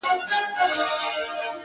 خو هر غوږ نه وي لایق د دې خبرو!!